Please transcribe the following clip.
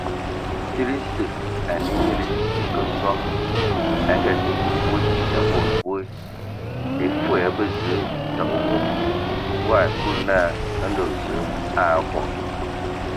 Tsid esǝ, ane nyili e kǝ sɔ, e Ngaa- sili fwe ya bod boe; e fwe ya abə zəə tǝgǝ wog. Bɔ ai Kulu naa : Ndɔ Zǝə a abɔ.